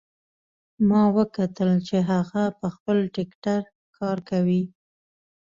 ما وکتل چې هغه په خپل ټکټر کار کوي